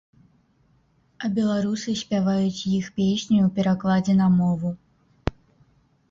А беларусы спяваюць іх песню ў перакладзе на мову.